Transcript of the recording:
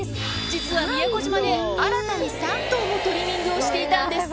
実は宮古島で新たに３頭もトリミングをしていたんです。